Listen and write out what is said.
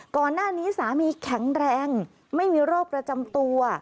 ก่อนหน้านี้สามีแข็งแรงไม่มีโรคประจำตัว